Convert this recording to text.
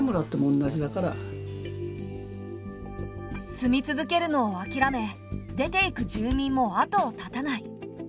住み続けるのをあきらめ出ていく住民も後を絶たない。